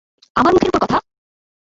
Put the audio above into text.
আমার মুখের ওপর কথা?